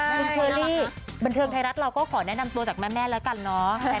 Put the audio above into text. คุณเชอรี่บันเทิงไทยรัฐเราก็ขอแนะนำตัวจากแม่แล้วกันเนาะ